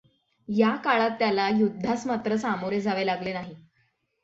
या काळात त्याला युद्धास मात्र सामोरे जावे लागले नाही.